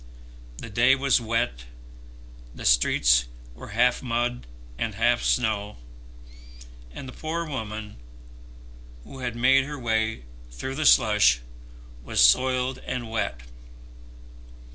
The day was wet, the streets were half mud and half snow, and the poor woman, who had made her way through the slush, was soiled and wet.